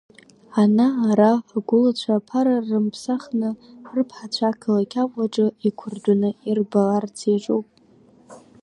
Ана, ара агәылацәа аԥара рымԥсахны рыԥҳацәа ақалақь Аҟәа аҿы иқәыртәаны ирбаларц иаҿуп.